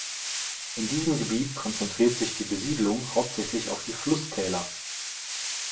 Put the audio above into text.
In diesem Gebiet konzentriert sich die Besiedlung hauptsächlich auf die Flusstäler.